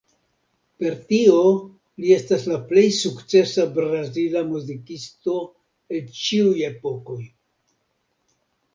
Per tio li estas la plej sukcesa brazila muzikisto el ĉiuj epokoj.